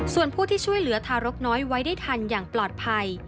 ส่วนผู้ที่ช่วยเหลือทารกน้อยไว้ได้ทันอย่างปลอดภัย